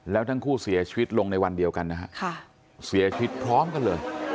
แล้วทั้งคู่เสียชีวิตลงในวันเดียวกันนะฮะเสียชีวิตพร้อมกันเลย